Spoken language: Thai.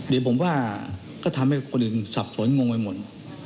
เดี๋ยวผมว่าก็ทำให้คนอื่นสับสนงงไปหมด